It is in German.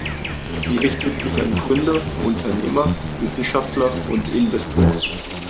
Sie richtet sich an Gründer, Unternehmer, Wissenschaftler und Investoren.